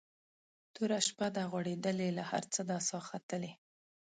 توره شپه ده غوړېدلې له هر څه ده ساه ختلې